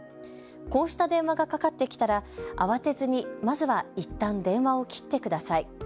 こうした電話がかかってきたら慌てずに、まずはいったん電話を切ってください。